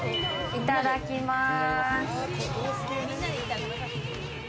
いただきます。